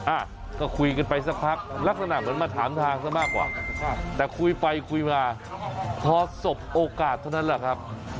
อ่ะก็คุยกันไปสักพักลักษณะเหมือนมาถามทางซะมากกว่า